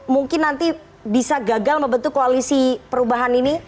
mungkin nanti bisa gagal membentuk koalisi perubahan ini